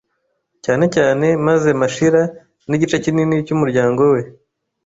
cyanecyane maze Mashira n igice kinini cy umuryango we